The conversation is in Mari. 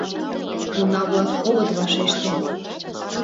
Уна-влак огыт вашеште.